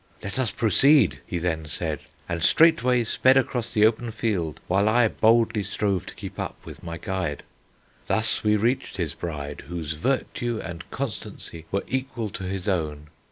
'Let us proceed,' he then said, and straightway sped across the open field, while I boldly strove to keep up with my guide. "Thus we reached his bride, whose virtue and constancy were equal to his own.